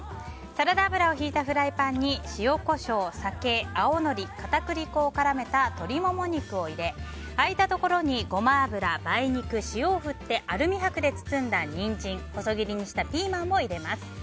サラダ油をひいたフライパンに塩、コショウ、酒青のり、片栗粉を絡めた鶏モモ肉を入れ空いたところにゴマ油、梅肉、塩を振ってアルミ箔で包んだニンジン細切りにしたピーマンを入れます。